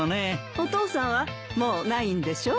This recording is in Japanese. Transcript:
お父さんはもうないんでしょう？